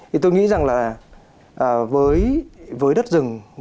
thì tôi nghĩ rằng là với đất rừng